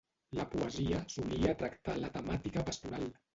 La poesia solia tractar la temàtica pastoral.